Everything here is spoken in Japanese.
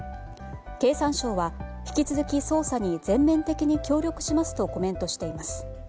経産省は引き続き捜査に全面的に協力しますとコメントしています。